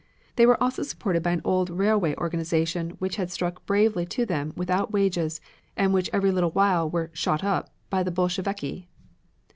They were also supported by old railway organizations which had stuck bravely to them without wages and which every little while were "shot up" by the Bolsheviki.